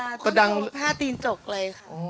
ตัวของผ้าตีนจกเลย